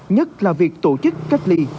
nhất là việc tổ chức cách ly tại khách sạn